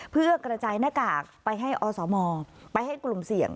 เพื่อกระจายหน้ากากไปให้อสมไปให้กลุ่มเสี่ยง